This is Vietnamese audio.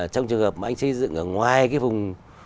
trong trường hợp mà anh xây dựng ở ngoài cái vùng